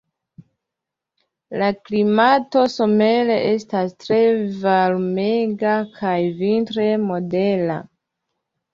La klimato somere estas tre varmega kaj vintre modera.